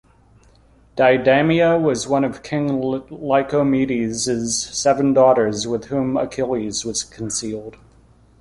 Deidamia was one of King Lycomedes's seven daughters with whom Achilles was concealed.